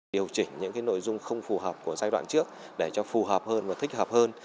điều chỉnh những nội dung không phù hợp của giai đoạn trước để cho phù hợp hơn và thích hợp hơn